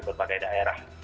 pertama keadaan daerah